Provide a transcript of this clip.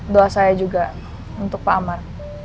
doa saya juga untuk pak amar